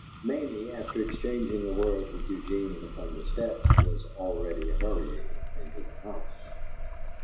Mamie, after exchanging a word with Eugene upon the steps, was already hurrying into the house.